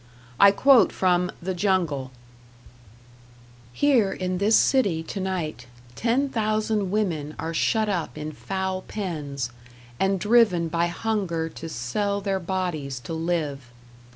I quote from "The Jungle": Here in this city tonight, ten thousand women are shut up in foul pens, and driven by hunger to sell their bodies to live.